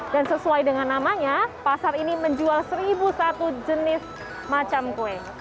dan sesuai dengan namanya pasar ini menjual seribu satu jenis macam kue